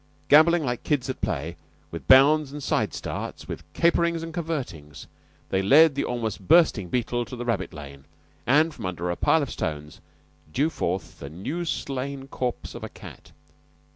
Gamboling like kids at play, with bounds and sidestarts, with caperings and curvetings, they led the almost bursting Beetle to the rabbit lane, and from under a pile of stones drew forth the new slain corpse of a cat.